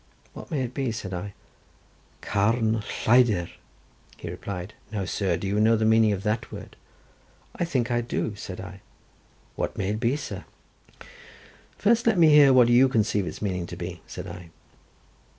"What may it be?" said I. "Carn lleidyr," he replied: "now, sir, do you know the meaning of that word?" "I think I do," said I. "What may it be, sir?" "First let me hear what you conceive its meaning to be," said I.